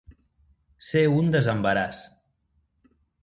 Ser un desembaràs.